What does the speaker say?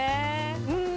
うん。